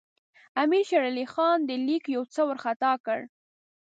امیر شېر علي خان دې لیک یو څه وارخطا کړ.